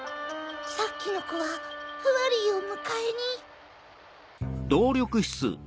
さっきのコはフワリーをむかえに？